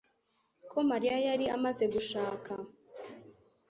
ko Mariya yari amaze gushaka